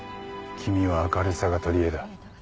君は明るさが取りえだ。